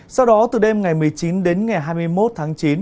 sau đó từ đêm ngày một mươi chín đến ngày hai mươi một tháng chín